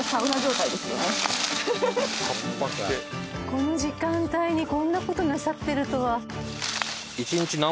この時間帯にこんな事なさってるとは。